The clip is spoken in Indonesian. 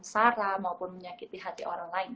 sara maupun menyakiti hati orang lain